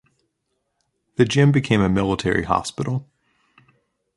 The Gym became a military hospital.